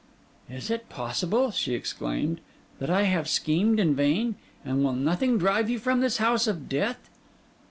'Is it possible,' she exclaimed, 'that I have schemed in vain? And will nothing drive you from this house of death?